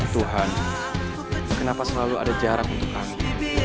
tuhan kenapa selalu ada jarak untuk kasih